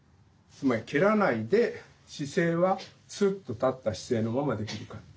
つまり蹴らないで姿勢はスッと立った姿勢のままできるか。